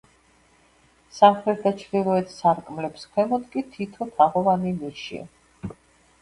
სამხრეთ და ჩრდილოეთ სარკმლების ქვემოთ კი თითო თაღოვანი ნიში.